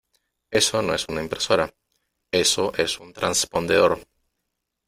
eso no es una impresora . eso es un transpondedor .